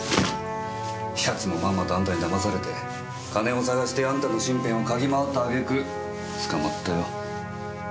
奴もまんまとあなたに騙されて金を捜してあなたの身辺をかぎ回ったあげく捕まったよ。